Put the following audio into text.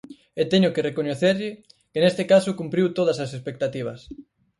E teño que recoñecerlle que neste caso cumpriu todas as expectativas.